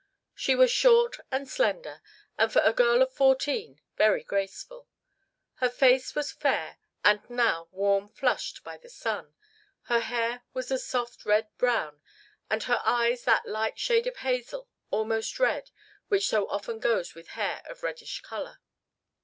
She was short and slender, and for a girl of fourteen very graceful. Her face was fair and now warm flushed by the sun, her hair was a soft red brown and her eyes that light shade of hazel, almost red, which so often goes with hair of reddish color.